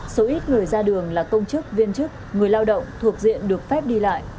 số ít người ra đường là công chức viên chức người lao động thuộc diện được phép đi lại